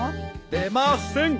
出ません！